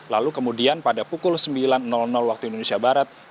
lalu kemudian pada pukul sembilan waktu indonesia barat